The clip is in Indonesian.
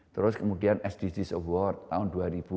terus kemudian sdgs award tahun dua ribu dua puluh